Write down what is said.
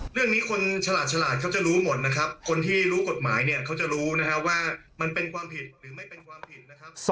เรื่องนี้คนฉลาดฉลาดเขาจะรู้หมดนะครับคนที่รู้กฎหมายเนี่ยเขาจะรู้นะครับว่ามันเป็นความผิดหรือไม่เป็นความผิดนะครับ